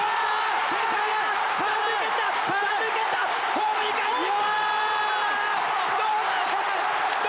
ホームにかえってきた！